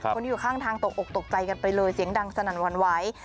คนที่อยู่ข้างทางตกอกตกใจกันไปเลยเสียงดังสนั่นหวั่นไหว